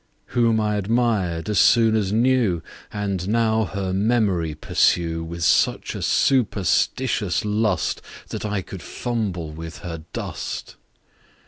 Whom I admir'd, as soon as knew, And now her Memory pursue With such a superstitious Lust, That I could fumble with her Dust.